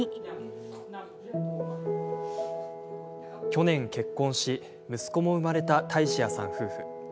去年、結婚し息子も生まれたタイシアさん夫婦。